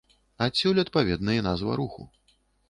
Адсюль, адпаведна, і назва руху.